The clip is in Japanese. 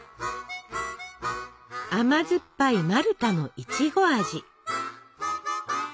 甘酸っぱいマルタのいちご味。